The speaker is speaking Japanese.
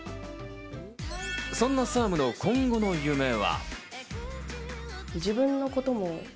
そんなＳＡＲＭの今後の夢は。